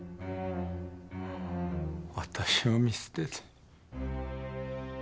私を見捨てて。